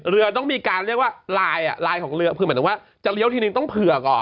เรือต้องมีการเรียกว่าลายลายของเรือคือหมายถึงว่าจะเลี้ยวทีนึงต้องเผื่อก่อน